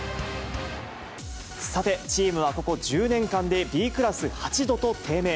さて、チームはここ１０年間でＢクラス８度と低迷。